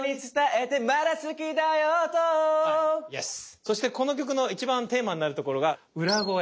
そしてこの曲の一番テーマになるところが裏声。